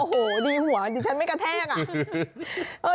โอ้โหดีหัวอยากจะทิ้งกระแทกอ่ะ